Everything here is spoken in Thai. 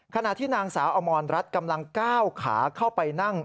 ขณะที่นางสาวอมรรัฐกำลังก้าวขาเข้าไปนั่ง